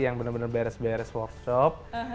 yang benar benar beres beres workshop